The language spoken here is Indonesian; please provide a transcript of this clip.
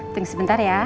tunggu sebentar ya